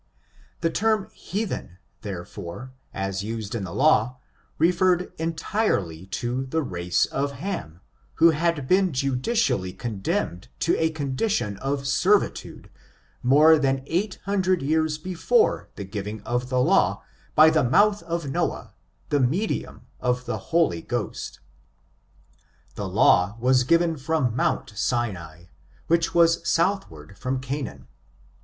The term heathen therefore as used in the law, re ferred entirely to the race of Ham, who had been judi ciallycondemned toa condition of servitude, more than eight hundred years before the giving of the law, by the mouth of Noah, the medium of the Holy Ghost. The law was given from Mount Sinai, which was 6» ' tl4 ORIGIN, CHARACTER, AND southward from Canaan.